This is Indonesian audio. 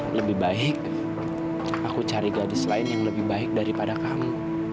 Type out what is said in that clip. lebih baik aku cari gadis lain yang lebih baik daripada kamu